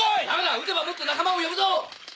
撃てばもっと仲間を呼ぶぞ！